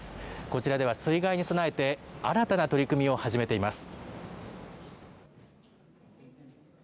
こちらでは、水害に備えて新たな取り組みを始めています。